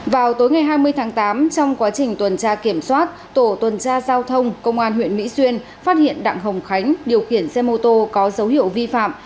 vào tối ngày hai mươi tháng tám trong quá trình tuần tra kiểm soát tổ tuần tra giao thông công an huyện mỹ xuyên phát hiện đặng hồng khánh điều khiển xe mô tô có dấu hiệu vi phạm